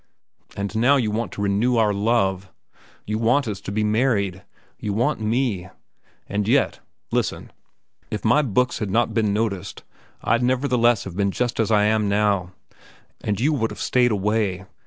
"And now you want to renew our love. You want us to be married. You want me. And yet, listen—if my books had not been noticed, I'd nevertheless have been just what I am now. And you would have stayed away.